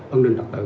an ninh trật tự